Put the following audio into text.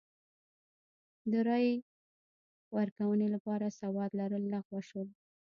د رایې ورکونې لپاره سواد لرل لغوه شول.